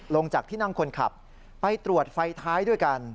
ลงจากที่นั่งคนขับไปตรวจไฟท้ายด้วยกัน